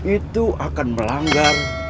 itu akan melanggar